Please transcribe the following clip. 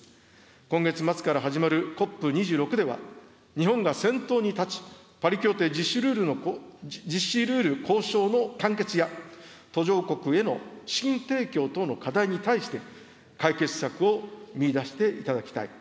今月末から始まるＣＯＰ２６では、日本が先頭に立ち、パリ協定実施ルール交渉の完結や、途上国への資金提供等の課題に対して、解決策を見いだしていただきたい。